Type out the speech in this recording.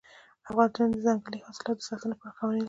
افغانستان د ځنګلي حاصلاتو د ساتنې لپاره قوانین لري.